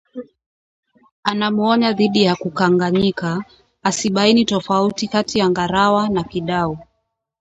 Anamuonya dhidi ya kukanganyika asibaini tofauti kati ya ngarawa na kidau